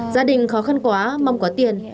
gia đình khó khăn quá mông có tiền